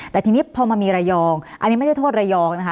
แต่ทีนี้พอมามีระยองอันนี้ไม่ได้โทษระยองนะคะ